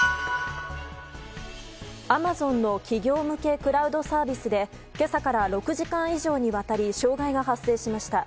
アマゾンの企業向けクラウドサービスで今朝から６時間以上にわたり障害が発生しました。